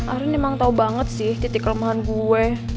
arin emang tau banget sih titik kelemahan gue